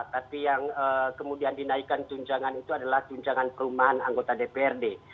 tapi yang kemudian dinaikkan tunjangan itu adalah tunjangan perumahan anggota dprd